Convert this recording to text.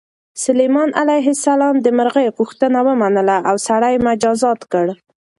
سلیمان علیه السلام د مرغۍ غوښتنه ومنله او سړی یې مجازات کړ.